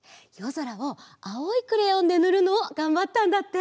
ぞらをあおいクレヨンでぬるのをがんばったんだって。